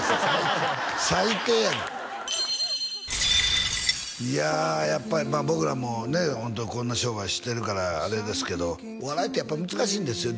最低やいややっぱりまあ僕らもねホントこんな商売してるからあれですけどお笑いってやっぱ難しいんですよ